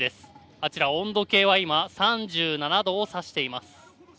あちら温度計は今、３７度を指しています。